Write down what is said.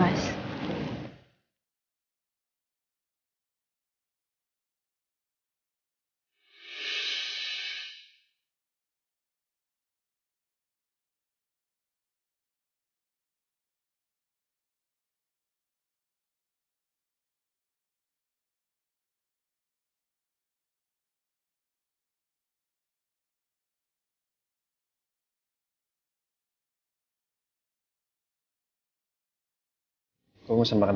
untuk memberikan kesaksian